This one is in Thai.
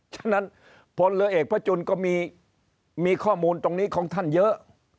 ฉะนั้นพลเรือเอกพระจุลก็มีข้อมูลตรงนี้ของท่านเยอะ